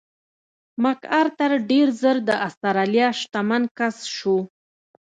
مک ارتر ډېر ژر د اسټرالیا شتمن کس شو.